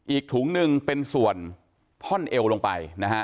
อีกถุงหนึ่งเป็นส่วนท่อนเอวลงไปนะฮะ